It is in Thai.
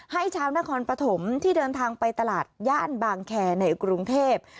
ชาวนครปฐมที่เดินทางไปตลาดย่านบางแคร์ในกรุงเทพ